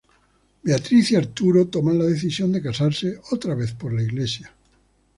Beatriz y Arturo toman la decisión de casarse otra vez por la iglesia.